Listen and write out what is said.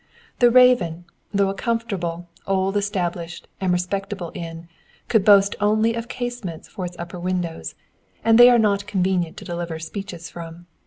The Raven, though a comfortable, old established, and respectable inn, could boast only of casements for its upper windows, and they are not convenient to deliver speeches from.